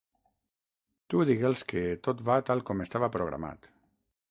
Tu digue'ls que tot va tal com estava programat.